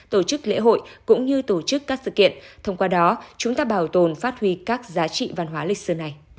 tổ chức lễ hội cũng như tổ chức các sự kiện thông qua đó chúng ta bảo tồn phát huy các giá trị văn hóa lịch sử này